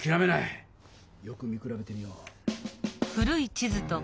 よく見くらべてみよう。